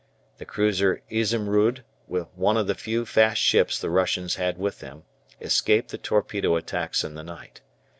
The cruiser "Izumrud," one of the few fast ships the Russians had with them, escaped the torpedo attacks in the night.